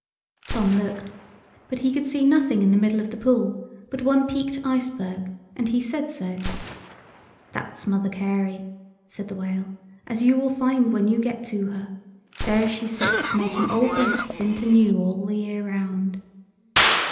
Tom looked; but he could see nothing in the middle of the pool, but one peaked iceberg: and he said so. "That's Mother Carey," said the whale, "as you will find when you get to her. There she sits making old beasts into new all the year round."